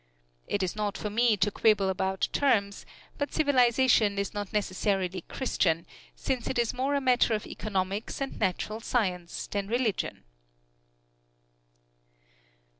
It is not for me to quibble about terms, but civilization is not necessarily Christian, since it is more a matter of economics and natural science than religion."